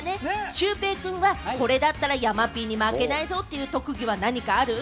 シュウペイくんは、これだったら山Ｐに負けないぞ！という特技は何かある？